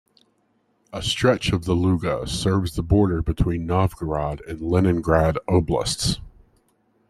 A stretch of the Luga serves the border between Novgorod and Leningrad Oblasts.